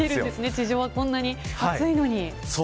地上はこんなに暑いのに。